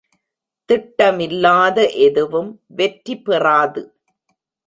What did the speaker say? திட்டமில்லாத எதுவும் வெற்றி பெறாது.